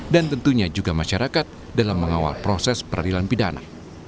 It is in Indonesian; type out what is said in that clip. dan tentunya juga masyarakat dalam mengawal proses peradilan pidana